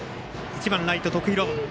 １番ライト、徳弘。